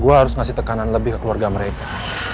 gue harus ngasih tekanan lebih ke keluarga mereka